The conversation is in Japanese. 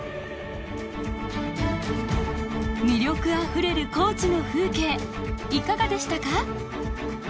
魅力あふれる高知の風景いかがでしたか？